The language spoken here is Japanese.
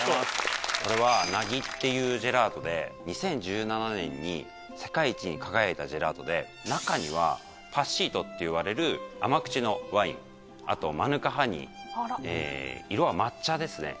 これは凪っていうジェラートで２０１７年に世界一に輝いたジェラートで中にはパッシートっていわれる甘口のワインあとマヌカハニー色は抹茶ですね。